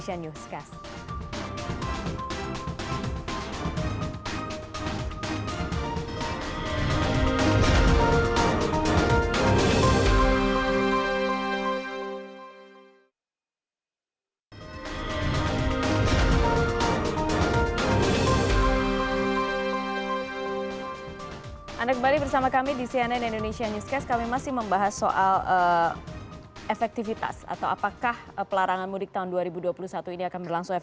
sekarang kita jeda dulu